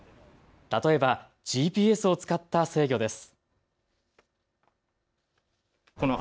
例えばＧＰＳを使った制御です。